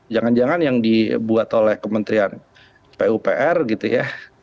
jangan jangan yang dibuat oleh kementerian pupr gitu ya